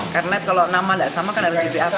karena kalau nama nggak sama kan harus di bap